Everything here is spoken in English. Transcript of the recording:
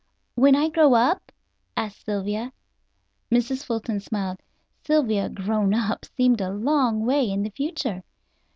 "When I grow up?" asked Sylvia. Mrs. Fulton smiled. Sylvia "grown up" seemed a long way in the future.